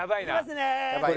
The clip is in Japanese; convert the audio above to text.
やばいな。